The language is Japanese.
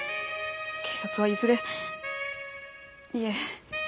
警察はいずれいえ。